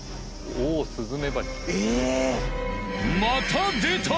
また出た！